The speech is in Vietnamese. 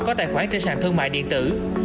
có tài khoản trên sàn thương mại điện tử